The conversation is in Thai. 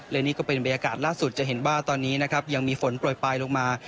และนี่ก็เป็นบรรยากาศล่าสุดจะเห็นว่าตอนนี้นะครับยังมีฝนปล่อยปลายลงมา